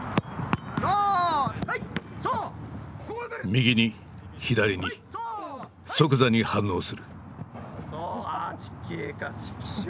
右に左に即座に反応する。